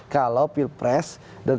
kalau pilpres dan